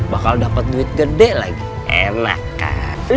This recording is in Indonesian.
bakal dapat duit gede lagi enak kan